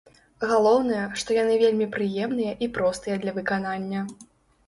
Галоўнае, што яны вельмі прыемныя і простыя для выканання.